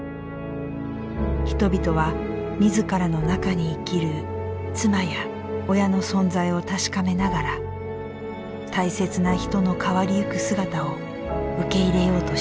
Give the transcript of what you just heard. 人々は自らの中に生きる妻や親の存在を確かめながら大切な人の変わりゆく姿を受け入れようとしていました。